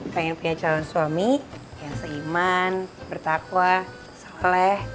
pengen punya calon suami yang seiman bertakwa saleh